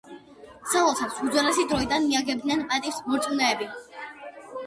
სალოცავს უძველესი დროიდან მიაგებდნენ პატივს მორწმუნენი.